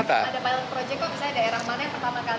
ada pilot project kok misalnya daerah mana yang pertama kali